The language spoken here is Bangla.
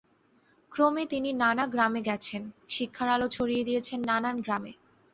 ক্রমে তিনি নানা গ্রামে গেছেন, শিক্ষার আলো ছড়িয়ে দিয়েছেন নানান গ্রামে।